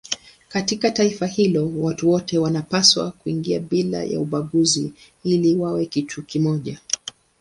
Katika taifa hilo watu wote wanapaswa kuingia bila ya ubaguzi ili wawe kitu kimoja.